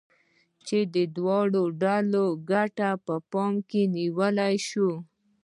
چې د دواړو ډلو ګټه په پام کې نيول شوې وي.